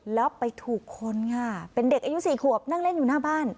แล้วไปถูกคนค่ะเป็นเด็กอายุ๔ขวบนั่งเล่นอยู่หน้าบ้าน